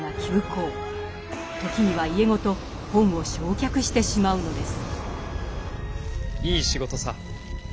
時には家ごと本を焼却してしまうのです。